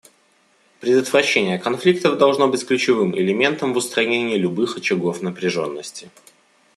Предотвращение конфликтов должно быть ключевым элементом в устранении любых очагов напряженности.